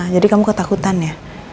jadi kamu ketakutan ya